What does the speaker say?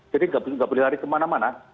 jadi nggak boleh lari kemana mana